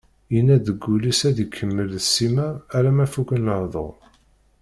Yenna deg wul-is ad ikemmel d Sima alamma fuken lehdur.